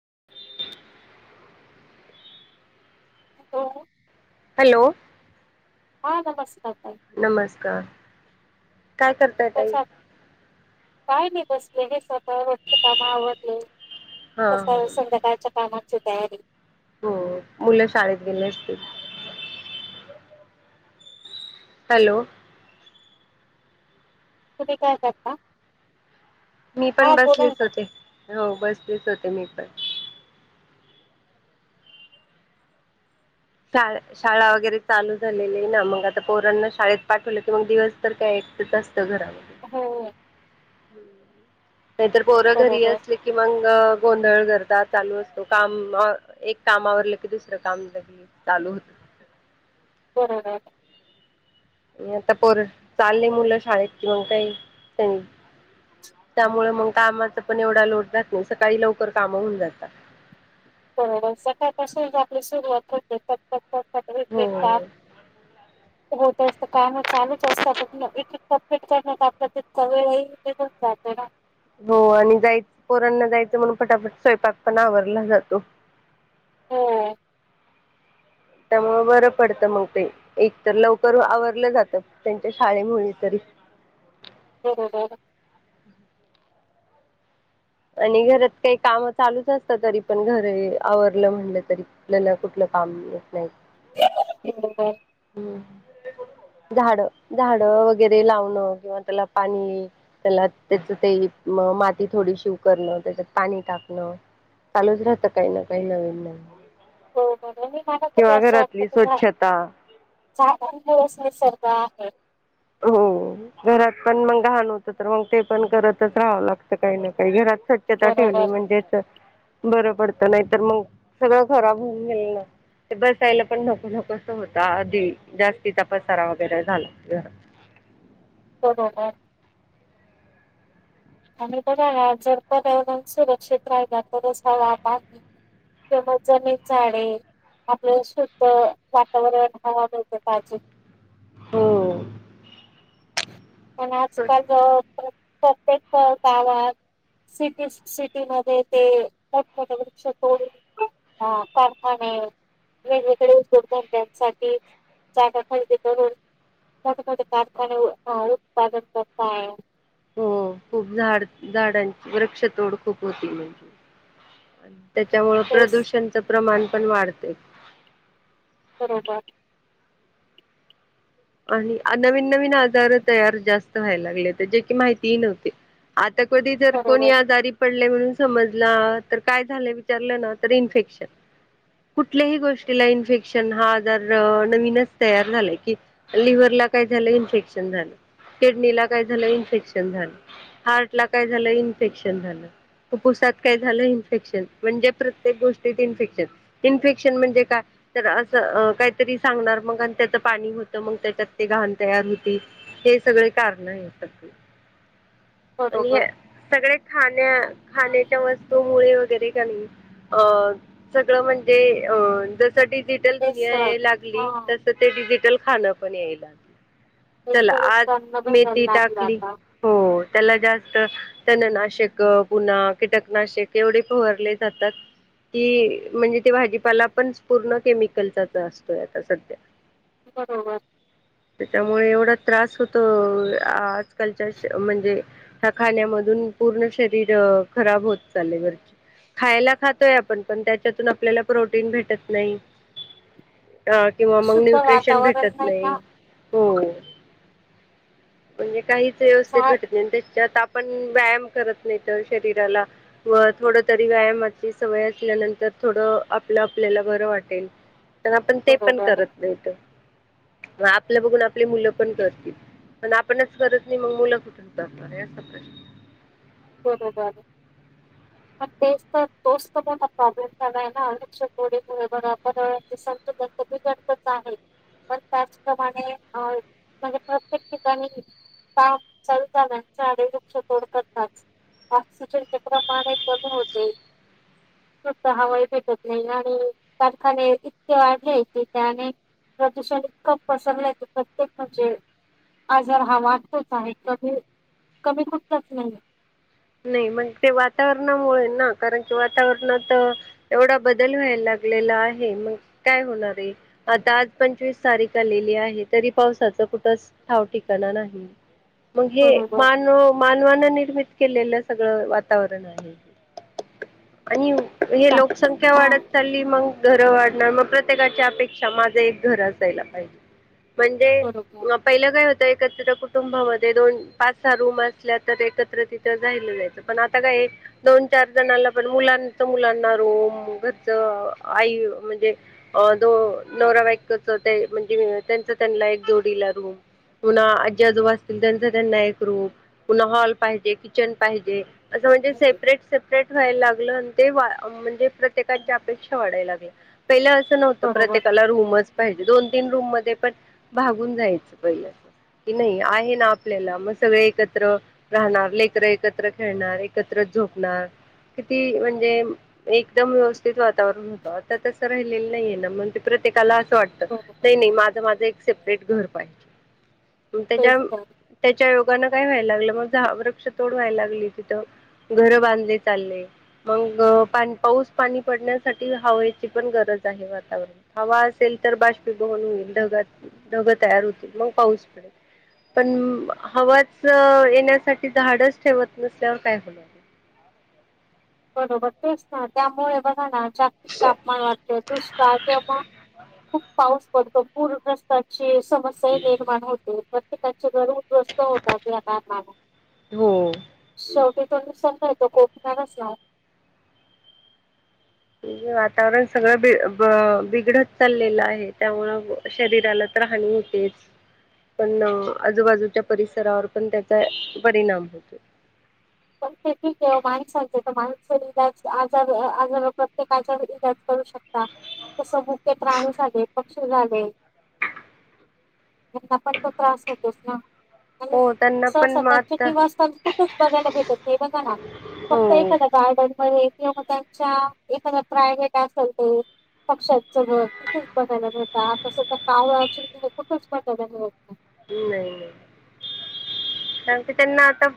[unintelligible] हो हो हॅलो हा नमस्कार ताई नमस्कार काय करताय ताई कशा काय नाही बसले मी सकाळ वरची काम आवरले हा कस हा संध्याकाळच्या कामाचे ह हो मुलं शाळेत गेली असतील हॅलो कुठे काय करता? मी पण हा बोला ना बसलेच ताई. होते हो बसलेच होते मी पण. शा शाळा वगैरे चालू झालेली आहे ना मग आता पोरांना शाळेत पाठवलं तर मग दिवस तर काय तेत असतं घरा हो. नाहीतर पोरं घरी बरोबर असली की मग गोंधळ करतात. चालू असतो काम एक काम आवरलं की दुसरं काम लगेच चालू होतं. बरोबर आता पोर चाललेय मुलं शाळेत कि मग काही त्यांनी त्यामुळे मग कामाचा पण एवढा लोड राहत नाही सकाळी लवकर कामं होऊन जाता. बरोबर सकाळपासून जे आपली सुरुवात होते टक टक हो [unintelligible] का? होत असतं काम चालूच असतात [unintelligible] करण्यात आपलं. [unintelligible] सात ना हो आणि जाय पोरांना जायचं म्हणून फटाफट स्वयंपाक पण आवरला जातो. हो त्यामुळ बरं पडत मग ते एक तर लवकर आवरलं जातं त्यांच्या शाळेमुळे तरी ह [unintelligible] आणि घरात काही काम चालूच असतं तरी पण घर हे आवरलं म्हणलं तरी कुठलं न कुठलं. काम येत नाही बरोबर हम्म. झाड झाड वगैरे लावणं किंवा त्याला पाणी त्याला त्याचा ते म माती थोडीशी करणं त्याच्यात पाणी टाकणं चालूच राहतं काही ना काही नवीन नवीन. बरोबर आणि मला तरी केव्हा घरातली स्वच्छता [unintelligible] दिवस निसर्ग आहे. हो. घरात पण मग घाण होतं तर मग ते पण करतच राहावं लागत काही ना काही घरात स्वच्छता ठेवली बरोबर म्हणजेच बरं पडतं नाही तर मग सगळं खराब होऊन गेल ना ते बसायला पण नको नकोस होता आधी जास्तीचा पसारा वगैरे झाला घरात. बरोबर आणि बघाना जर पर्यावरण सुरक्षित राहिला तरच हवा-पाणी जमज जणी झाडे आपल्या शुद्ध वातावरण हवा मिळते ताजी हो. पण स्वच्छ आजकाल जवळ प्रत्येक. [unintelligible] सिटी सिटी मध्ये ते मोठं मोठं वृक्ष तोडून हा कारखाने वेगवेगळे उद्योगधंद्यांसाठी जागा खरेदी करून [unintelligible] कारखाने उ हा उत्पादन करता आहे. हो खूप झाड झाडांची वृक्षतोड खूप होती म्हणजे. त्याच्यामुळे तेच प्रदूषणच प्रमाण पण वाढतय. बरोबर आणि नवीन-नवीन आजार तयार जास्त व्हायला लागले ते जे की माहिती ही नव्हते आ ता कधी जर कोणी बरोबर, आजारी पाडल्या म्हणून समजला तर काय झालं विचारलं ना तर इन्फेक्शन कुठल्याही गोष्टीला इन्फेक्शन हा आजार नवीनच तयार झालाय की. लिव्हर ला काय झालं इन्फेक्शन झालं. किडनीला काय झालं इन्फेक्शन झालं, हार्ट ला काय झालं इन्फेक्शन झालं. कूपुसात काय झालं इन्फेक्शन म्हणजे प्रत्येक गोष्टीत इन्फेक्शन, इन्फेक्शन म्हणजे काय? तर असं काहीतरी सांगणार मग आणि त्याचं पाणी होत तर मग त्याच्यात ते घाण तयार होती हे सगळे कारण आहेत अशी! आणि बरोबर ह सगळ्या खाण्या खाण्याच्या वस्तूमुळेळे वगैरे अ सगळं म्हणजे अ जस डिजिटल तेच दुनिया याला लागली, हां. तस ते डिजिटल खाणं पण याय लागली. चला नैसर्गिक आज तण भेटायला मेथी लागलं टाकली आता. हो त्याला जास्त तननाशक पुन्हा कीटकनाशक एवढे पहरले जातात. ती म्हणजे ते भाजीपाला पण पूर्ण केमिकलचाच असतोय आता सध्या! बरोबर त्या त्यामुळे एवढा त्रास होत आजकालच्या म्हणजे ह खाण्यामधून पूर्ण शरीर खराब होत चाले घरची खायला खातोय आपण पण त्याच्यातून आपल्याला प्रोटीन भेटत नाही. अ किंवा मग शुद्ध न्यूट्रिशन वातावरण भेटत नाही. ना हो! म्हणजे काहीच व्यवस्थेत झाड घटत नाही त्याच्या आप पण व्यायाम करत नाही तर शरीराला व थोड तरी व्यायामाची सवय असल्यानंतर थोडं आपलं आपल्याला बरं वाटेल. पण आपण ते पण बरोबर करत नाहीत, आपलं बघून आपली मुलं पण करतील. पण आपणच करत नाही मग मुलं कुठून करणार आहे असा प्रश्न [inaudible] [inaudible] मग तेच तर तोच तर मोठा प्रॉब्लेम झालाय ना अनेकच्या कोडीमुळे बघा संत पूर्वी कडचणआहे पण त्याचप्रमाणे अ म्हणजे प्रत्येक ठिकाणी काम सारे वृक्ष तोड कर तात, ऑसिचे प्रमाण कमी होते. स्वच्छ हवाही भेटत नाही, आणि कारखाने इतके वाढलेत की त्यांने प्रदूषण इतकं पसरला की प्रत्येक म्हणजे आजार हा वाटतोच आहे, कमी कमी कुठलाच नाही. नाही मग ते वातावरणामुळे ना कारण की वातावरणात एवढा बदल व्हायला लाग लेला आहे, मग काय होणार आता आज पंचवीस तारीख आलेली आहे तरी पावसा च कुठ ठाव ठिकाण नाही, मग हे बरोबर मानव मानवाना निर्मित केलेलं सगळं वातावरण आहे आणि हे चा लोकसंख्या हा वाढत चालली मग घर वाढणं मग प्रत्येकाची अपेक्षा माझं एक घर असायला पाहिजे. म्हणजे बरोबर पहिलं काय होतं एकत्र कुटुंबामध्ये दोन, पाच सहा रूम असल्या तर एकत्र राहिल जायचं, पण आता काय दोन चार जणला पण मुलांच मुलांना रुम घरच आई म्हणजे जो नवरा बाईकच हो म्हणजे त्यांच त्यांना एक! जोडीला रूम पुन्हा आजी आजोबा असतील त्यांचा त्यांना एक रूम पुन्हा हॉल पाहिजे किचन पाहिजे असं म्हणजे सेपरेट सेपरेट राहिला लागलं ते म्हणजे प्रत्येकच्या अपेक्षा वाढायला लागल्या. पहिलं असं नव्हतं बरोबर प्रत्येकाला रूमच पाहिजे दोन तीन रूम ते पण भागून जायचं पहिल अस की नाही आहे ना आपल्याला मग सगळे एकत्र राहणार लेकरं एकत्र, एकत्र खेळणार एकत्र झोपणार. किती म्हणजे एकदम व्यवस्थित वातावरण होतं आता तसं राहिलेलं नाहीये ना! प्र त्येकाला असं वाटत बरोबर नाही नाही माझं माझं एक सेपरेट घर पाहिजे. त्याच्या तेच तर त्याच्या योगान काय व्हायला लागलं मग वृक्ष तोड व्हायला लागली तिथं घर बांधले चालले, मग पाऊस पाणी पडण्यासाठी हवची पण गरज वातावरण हवा असेल तर बाष्पी बवन होईल ढग ढग तयार होतील मग पाऊस पडेल, पण हवाच येण्यासाठी झाडच ठेवत नसल्यावर काय होणार बरोबर ते अस ना त्यामुळे बघा ना जास्त तापमान वाटतत का ते पण खूप पाऊस पडतो पूरगस्तची समस्या निर्माण होते प्रत्येका घर उद्ध्वस्त होतातला हो. शेवटी तस त कोच नाव म्हजे वातावरण सगळं ब बिघडत चाललेलं आहे त्यामुळे शरीराला तर ह हो तेच पण आजूबाजूच्या परिसरावर पण त्याचा परिणाम होतो पण ते ठीक आहे माणसांचे तर माणस इज आजार आजार प्रत्येका इाज तस मुख्य ताणी झाले पक्षी झाले [unintelligible] त्यांना पण तो त्रास होतोस ना आणि हो त्यांना स पण मग सचे आता निवासस्थान कुठेच बघायला भेट ते बघा ना हो फक्त ए ना गार्डन मध्ये किंवा त्यांच्या एखादा प्रायव्हेट असेल ते पक्ष्याचं घर किठेच बघायला मिळत तसं त्या काव चि कुठेच बघायला मिळत नाही नाही नाही कारण ते त्यांना आता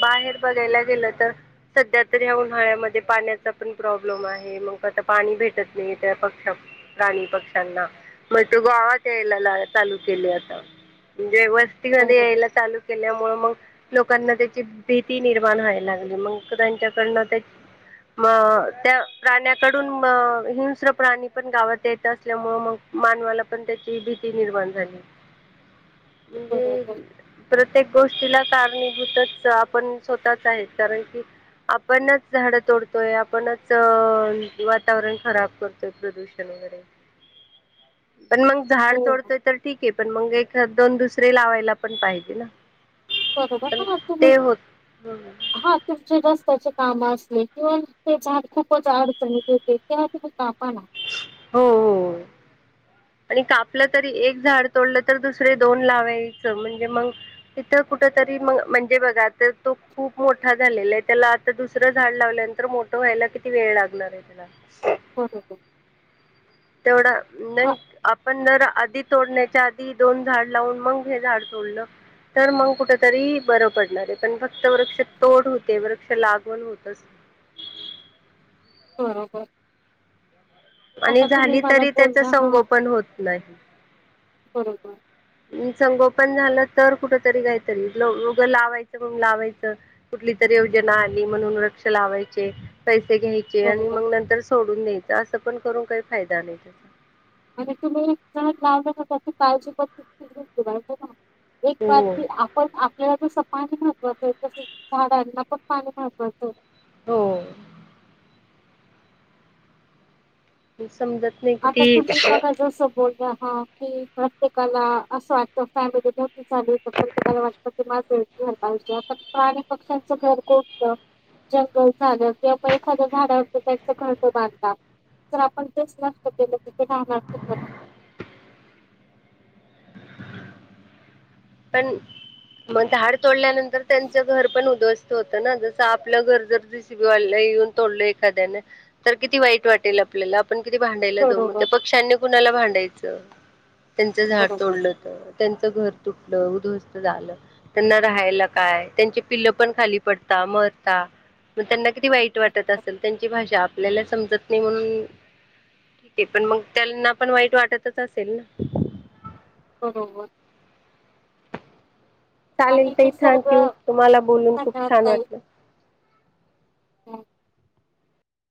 बाहेर बघायला गेलं तर सध्या तर ह्या उन्हाळ्यामध्ये पाण्याचा पण प्रॉब्लेम आहे मग आता पाणी भेटत नाही त्या पक्षा प्राणी पक्ष्यांना मग तो गावात यायला ला चालू केले आता म्हणजे वस्तीमध्येध्ये बरोबर यायला चालू मग लोकांना त्याची भीती निर्माण व्हायला लागली मग त्यांच्याकडन म त्या प्राण्याकडून हिमस्र प्राणी पण गावात येत असल्यामु मग मानवाला पण त्याची भीती निर्माण झाली म्हणजे बरोबर प्रत्येक गोष्टीला कारणीभूतच आपण स्वतःच आहे कारण की आपणच झाडं तोडतोय आपणच अ वातावरण खराब करतोय प्रदूषण बर पण मग झाड हो ना. तोडतोय तर ठीक आहे पण मग एक दोन दुसरे लावायला पण पाहिजे ना ब पण ह तुम्ही ते होत हो हा तुमचे जास्त काम अस किंवा ते खूपच अडचणीत येत ते्हा काप हो हो आणि कापलं तरी एक झाड तोडलं तर दुसरे दोन लावायचं म्हणजे मग तथ कुठ तरी म म्हणजे बघा तो खूप मोठा झालेला आहे त्याला आता दुसरं झाड लावल्यानंतर मोठं व्हायला किती वेळ लागणार आहे त्याला होर हो तेवढा न आपण जर आधी तोडण्याच्या आधी दोन झाड लावून मग हे झाड तोडलं तर मग कुठ तरी बरं पडणार आहे पण फक्त वृक्ष तोड होते वृक्ष लागवण होतच हम्म बरोबर आणि आता तुम्ही झाली मला तरी त्याच बोलला हा संगोपन होत नाही बरोबर संगोपन झालं तर कुठ तरी काहीतरी लगं लावायचं लावायचं कुठली तरी ज म्हणून वक्ष लायै ते घ्यायचे बरोबर आणि मग नंतर सोडून द्यायचं असं पण करून काही फायदा नाही त्याचा आणि तुम्ही जण लावता त्याची काळजी पद्धती घ एक बाात हो की आपण आपल्याला ज पाणी महत्वाचं आहे तसे झाडांना पण पाणी महत्वाचं आहे तो बस.. आता तुम्ही बघा जस बोलला.. ह की प्रत्येकाला असं वाटतं फॅमिली ठेवी चाली तर प्रत्येकाला वाटत की माझं.. घर पाजे आता प्राणी पक्ष्यांचं घर कोणत? जंगल झालं तेव्हा पण एखाद्या झाडवरत त्यांच घरट बांधतात तर आपण दिस... ती जाणार... पण... मग झााड तोडल्यानंतर त्यांचं घर पण उद्ध्वस्त होतं ना जस आपलं घर जर रिसिपी वालं.. तोल एखाद्या किती वाईट वाटेल आपल्याला... आपण किती भांडायला जाऊ मग बरोबर त्या पक्ष्यांनी कुणाला भांडायचं.. त्यांचं झाड बरोबर. तोडलं होत त्यांचं घर.. तटलं उध्वस्त झालं त्यांना राहायला काय त्यांची पिल्ल पण खाली पडत मरता.. मग त्यांना किती वाईट वाटत असेल त्यांची भाषा आपल्याला समजत नाही म्हणून.. ठीक आहे पण मग त्यांना पण वाईट वाटतच असेल ना.. बरोबर.. चालेल आणि तही थँक यू निसर्ग तुम्हाला बोलून खूप छान वाटलं.. हम्..